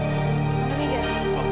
kok seperti suara amiran